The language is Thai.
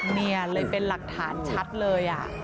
นี่เลยเป็นหลักฐานชัดเลย